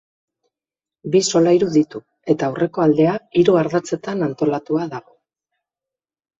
Bi solairu ditu, eta aurreko aldea hiru ardatzetan antolatua dago.